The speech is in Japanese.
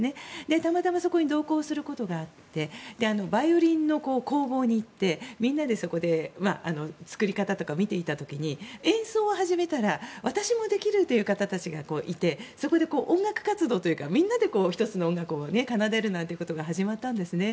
たまたまそこに同行することがあってバイオリンの工房に行ってみんなで作り方とか見ていた時に演奏を始めたら私もできるという方たちがいてそこで音楽活動というかみんなで１つの音楽を奏でるなんてことが始まったんですね。